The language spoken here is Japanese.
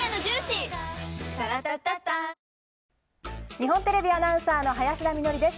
日本テレビアナウンサーの林田美学です。